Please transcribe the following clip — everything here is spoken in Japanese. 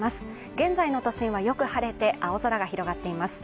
現在の都心はよく晴れて青空が広がっています